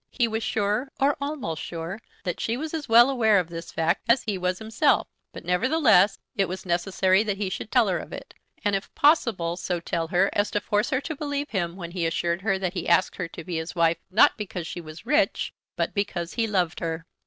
He was sure, or almost sure, that she was as well aware of this fact as he was himself; but, nevertheless, it was necessary that he should tell her of it, and if possible so tell her as to force her to believe him when he assured her that he asked her to be his wife, not because she was rich, but because he loved her.